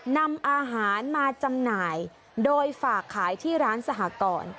นำอาหารมาจำหน่ายโดยฝากขายที่ร้านสหกร